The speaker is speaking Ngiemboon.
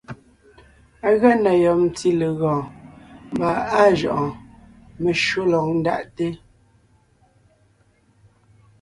Á gʉa na yɔb ntí legɔɔn, mbà áa jʉʼɔɔn, meshÿó lɔg ńdaʼte.